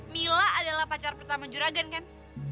mila adalah pacar pertama juragan kan